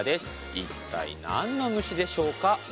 一体何の虫でしょうか。